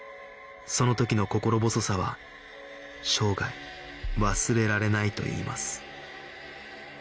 その時の心細さは生涯忘れられないといいます